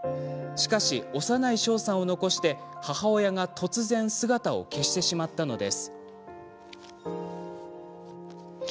しかし、幼い翔さんを残して母親が突然姿を消してしまったのです。